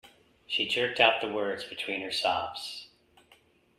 She jerked out the words between her sobs.